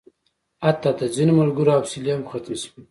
حتی د ځینو ملګرو حوصلې هم ختمې شوې.